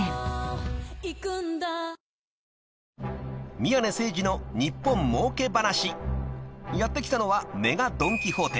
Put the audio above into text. ［『宮根誠司の日本もうけ話』］［やって来たのはＭＥＧＡドン・キホーテ］